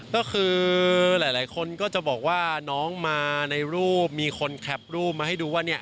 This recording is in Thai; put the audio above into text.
ก็คือหลายคนก็จะบอกว่าน้องมาในรูปมีคนแคปรูปมาให้ดูว่าเนี่ย